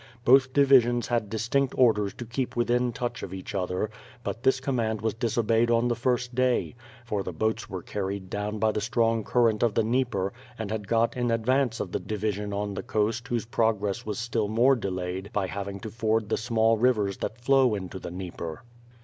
Both divisions had distinct orders to keep within touch of each other, but this command was disobeyed on the first day; for the boats were carried down by the strong current of the Dnieper and had got in advance of the division on the coast whose progress was still more delayed by having to ford the small rivers that flow into the Dnieper.